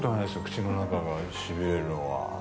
口の中がしびれるのは。